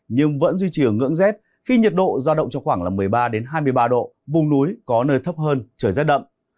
nhưng vẫn duy trì ở ngưỡng z khi nhiệt độ ra động cho khoảng một mươi ba hai mươi ba độ vùng núi có nơi thấp hơn trời rất đậm